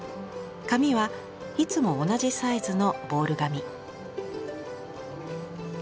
紙はいつも同じサイズのボール紙。